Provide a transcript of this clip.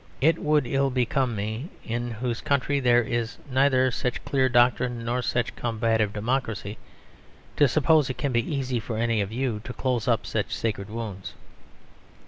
It would ill become me, in whose country there is neither such clear doctrine nor such combative democracy, to suppose it can be easy for any of you to close up such sacred wounds.